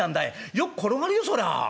よく転がるよそらあ」。